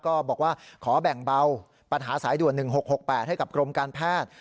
ก็บอกว่าขอแบ่งเบาปัญหาสายด่วน๑๖๖๘ให้กับกรมการแพทย์